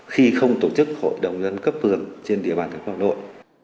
khi không tổ chức hội đồng nhân cấp phường trên địa bàn của hà nội